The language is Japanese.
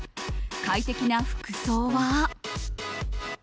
快適な服装は？